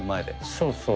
そうそう。